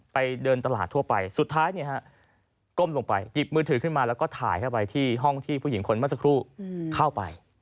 เดินตลาดทั่วไปสุดท้ายก้มลงไปหยิบมือถือขึ้นมาแล้วก็ถ่ายเข้าไปที่ห้องที่ผู้หญิงคนเมื่อสักครู่เข้าไป